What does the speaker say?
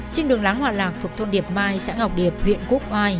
trên đường láng hòa lạc thuộc thôn điệp mai xã ngọc điệp huyện quốc oai